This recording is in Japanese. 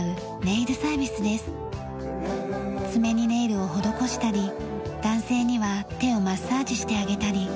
爪にネイルを施したり男性には手をマッサージしてあげたり。